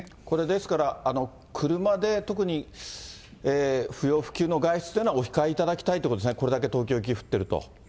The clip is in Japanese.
これですから、車で特に不要不急の外出というのはお控えいただきたいということですね、これだけ東京、雪降ってると。